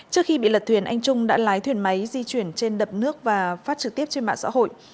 trước khi bị lật thuyền anh trung đã lái thuyền máy di chuyển trên đập nước và phát trực tiếp trên mạng xã hội